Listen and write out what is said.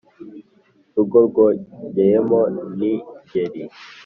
Rugo rwogeyemo n' Ingeri